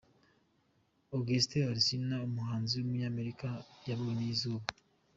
August Alsina, umuhanzi w’umunyamerika yabonye izuba.